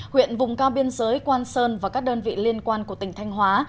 huyện vùng cao biên giới quan sơn và các đơn vị liên quan của tỉnh thanh hóa